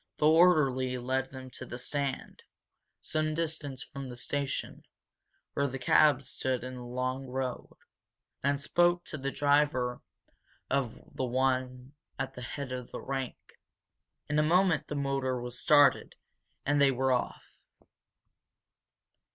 The orderly led them to the stand, some distance from the station, where the cabs stood in a long row, and spoke to the driver of the one at the head of the rank. In a moment the motor was started, and they were off.